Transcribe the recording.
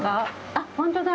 あっ、本当だ。